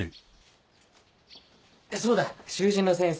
そうだ習字の先生。